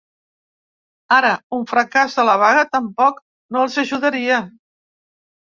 Ara, un fracàs de la vaga tampoc no els ajudaria.